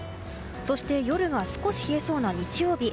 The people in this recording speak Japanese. そして夜が少し冷えそうな日曜日。